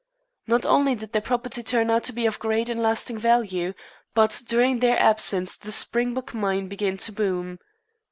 Not only did their property turn out to be of great and lasting value, but during their absence the Springbok Mine began to boom.